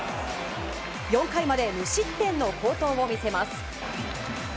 ４回まで無失点の好投を見せます。